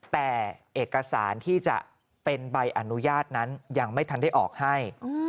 แต่เอกสารที่จะเป็นใบอนุญาตนั้นยังไม่ทันได้ออกให้